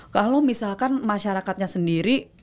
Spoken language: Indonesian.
kalau misalkan masyarakatnya sendiri